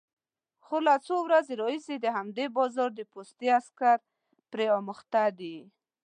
خو له څو ورځو راهيسې د همدې بازار د پوستې عسکر پرې اموخته دي،